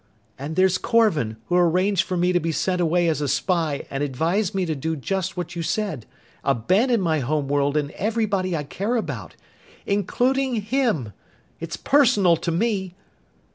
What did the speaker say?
And there's Korvan, who arranged for me to be sent away as a spy and advised me to do just what you said: abandon my home world and everybody I care about! Including him! It's personal to me!"